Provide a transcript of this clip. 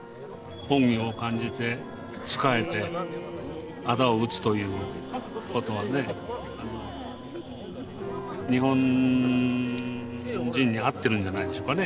恩義を感じて仕えて仇を討つということはね日本人に合ってるんじゃないでしょうかね。